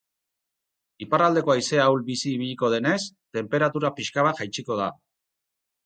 Iparraldeko haizea ahul-bizi ibiliko denez, tenperatura pixka bat jaitsiko da.